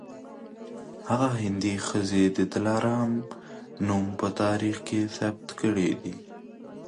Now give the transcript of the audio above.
هغې هندۍ ښځې د دلارام نوم په تاریخ کي ثبت کړی دی